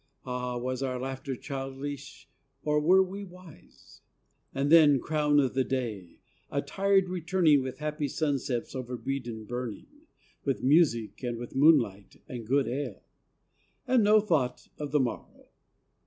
Ah, was our laughter childish, or were we wise? And then, crown of the day, a tired returning With happy sunsets over Bredon burning, With music and with moonlight, and good ale, And no thought for the morrow....